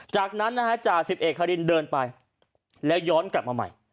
จากนั้นจา๑๑ฮารินเดินไปแล้วย้อนกลับมาใหม่